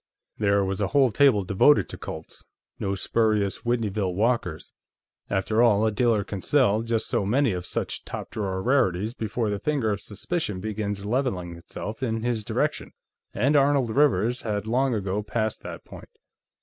There was a whole table devoted to Colts. No spurious Whitneyville Walkers; after all, a dealer can sell just so many of such top drawer rarities before the finger of suspicion begins leveling itself in his direction, and Arnold Rivers had long ago passed that point.